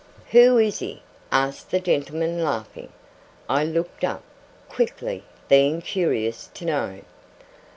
'Who is?' asked the gentleman, laughing. I looked up, quickly; being curious to know.